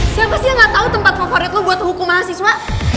siapa sih yang gak tau tempat favorit lo buat hukum mahasiswa